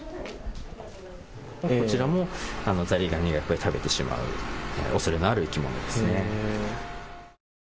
こちらもザリガニが食べてしまうおそれのある生き物です。